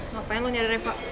ngapain lu nyari reva